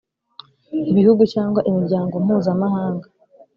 ibihugu cyangwa imiryango mpuzamahanga